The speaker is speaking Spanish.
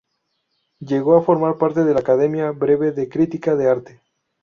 Llegó a formar parte de la Academia Breve de Crítica de Arte.